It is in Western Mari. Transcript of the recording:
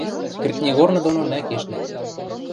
Кӹртнигорны доно мӓ кешнӓ.